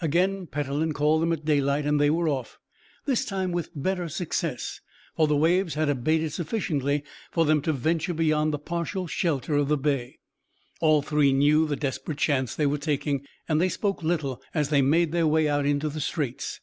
Again Petellin called them at daylight, and they were off; this time with better success, for the waves had abated sufficiently for them to venture beyond the partial shelter of the bay. All three knew the desperate chance they were taking, and they spoke little as they made their way out into the Straits.